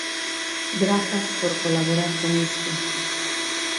Grazas por colaborar con isto.